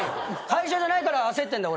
会社じゃないから焦ってんだ。